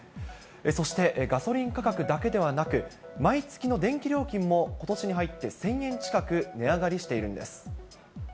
そして、ガソリン価格だけではなく、毎月の電気料金も、ことしに入って１０００円近く値上がりしているんです。